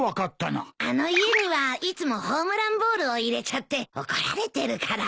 あの家にはいつもホームランボールを入れちゃって怒られてるから。